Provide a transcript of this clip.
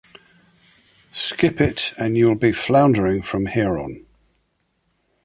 Skip it and you'll be floundering from here on.